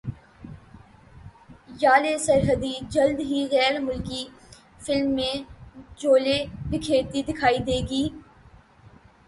ژالے سرحدی جلد ہی غیر ملکی فلم میں جلوے بکھیرتی دکھائی دیں گی